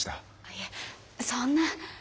いえそんな。